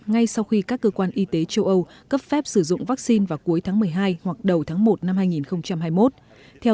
ngay sau khi các cơ quan y tế châu âu cấp phép sử dụng vaccine